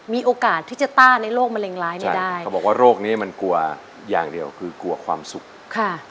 มีโอกาสที่จะต้าในโรคมะเร็งร้ายนี้ได้เขาบอกว่าโรคนี้มันกลัวอย่างเดียวคือกลัวความสุขค่ะ